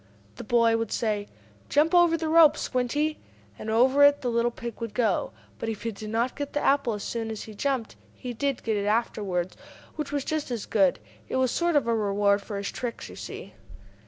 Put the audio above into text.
The boy would say: "Jump over the rope, Squinty!" And over it the little pig would go. But if he did not get the apple as soon as he jumped, he did get it afterward, which was just as good. It was sort of a reward for his tricks, you see.